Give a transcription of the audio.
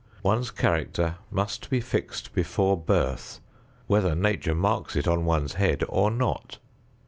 One's character must be fixed before birth whether Nature marks it on one's head or not.